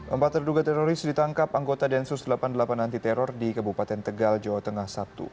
empat terduga teroris ditangkap anggota densus delapan puluh delapan anti teror di kabupaten tegal jawa tengah sabtu